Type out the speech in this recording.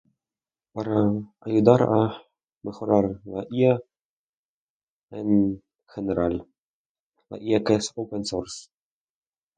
Para ayudar a mejorar la IA en general ya que es open source.